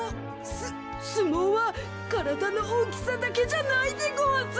すすもうはからだのおおきさだけじゃないでごわす。